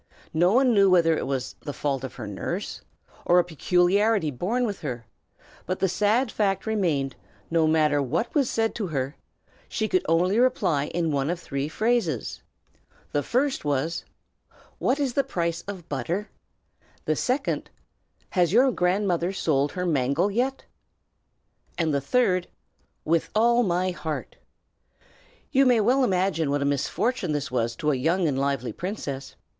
No one knew whether it was the fault of her nurse, or a peculiarity born with her; but the sad fact remained, that no matter what was said to her, she could only reply in one of three phrases. The first was, "What is the price of butter?" The second, "Has your grandmother sold her mangle yet?" And the third, "With all my heart!" You may well imagine what a great misfortune this was to a young and lively princess.